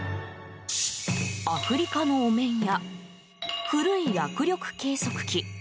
アフリカのお面や古い握力計測器。